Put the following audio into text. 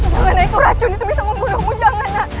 jangan itu racun itu bisa membunuhmu jangan